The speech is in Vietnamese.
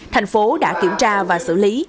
thành phố đã kiểm tra và xử lý